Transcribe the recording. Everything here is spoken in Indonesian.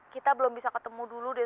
kita belum bisa ketemu dulu deh